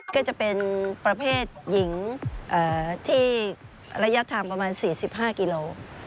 ก็จะเป็นประเภทหญิงที่ระยะทางประมาณ๔๕กิโล